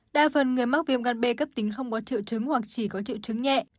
đa phần người mắc viêm ngăn bê cấp tính không có triệu chứng hoặc chỉ có triệu chứng nhẹ